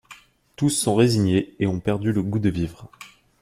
Tous sont résignés et ont perdu le goût de vivre.